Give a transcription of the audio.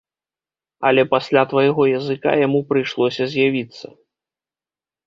Але пасля твайго языка яму прыйшлося з'явіцца.